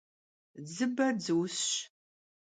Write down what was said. Dzıbe dzıusş.